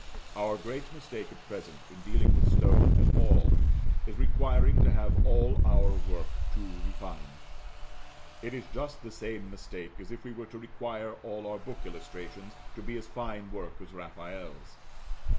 Our great mistake at present, in dealing with stone at all, is requiring to have all our work too refined; it is just the same mistake as if we were to require all our book illustrations to be as fine work as Raphael's.